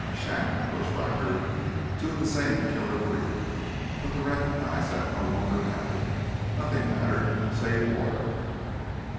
Shannon; the bushwhacker—two of the same killer breed. But to recognize that no longer mattered. Nothing mattered save water....